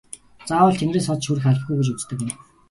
Заавал тэнгэрээс од шүүрэх албагүй гэж үздэг юм.